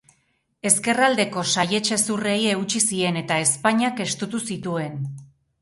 Ezkerraldeko saihets-hezurrei eutsi zien eta ezpainak estutu zituen.